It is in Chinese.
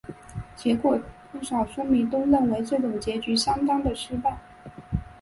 结果不少书迷都认为这种结局相当失败。